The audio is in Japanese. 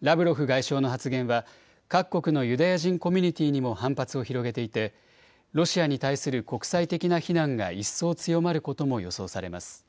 ラブロフ外相の発言は、各国のユダヤ人コミュニティにも反発を広げていて、ロシアに対する国際的な非難が一層強まることも予想されます。